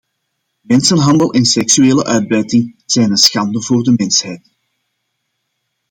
Mensenhandel en seksuele uitbuiting zijn een schande voor de mensheid.